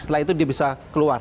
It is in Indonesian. setelah itu dia bisa keluar